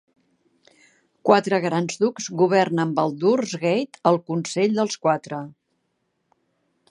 Quatre grans ducs governen Baldur's Gate, el Consell dels Quatre.